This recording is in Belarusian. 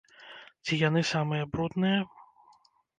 Ці яны самыя брудныя?